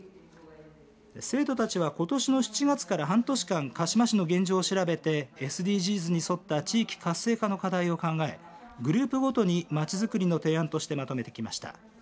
生徒たちは、ことしの７月から半年間鹿嶋市の現状を調べてＳＤＧｓに沿った地域活性化の課題を考えグループごとにまちづくりの提案としてまとめてきました。